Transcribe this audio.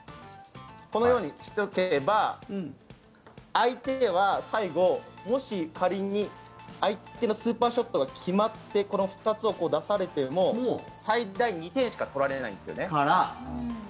このようにしておけば相手は最後、もし仮に相手のスーパーショットが決まってこの２つを出されても最大２点しか取られないんですよね。